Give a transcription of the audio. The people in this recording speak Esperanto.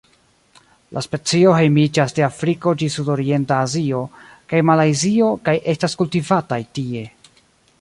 La specio hejmiĝas de Afriko ĝis Sudorienta Azio kaj Malajzio kaj estas kultivataj tie.